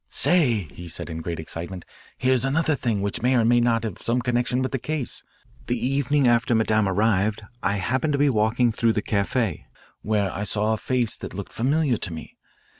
" Say," he cried in great excitement, "here's another thing which may or may not have some connection with the case. The evening after Madame arrived, I happened to be walking through the caf=82, where I saw a face that looked familiar to me.